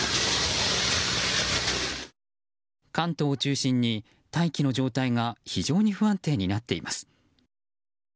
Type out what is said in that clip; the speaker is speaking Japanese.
関東を中心に大気の状態が非常に不安定になっています。